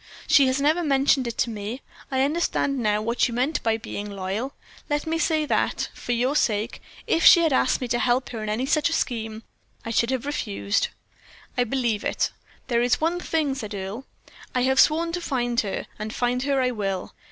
She has never mentioned it to me. I understand now what you meant by being loyal. Let me say that, for your sake, if she had asked me to help her in any such scheme, I should have refused." "I believe it. There is one thing," said Earle, "I have sworn to find her, and find her I will.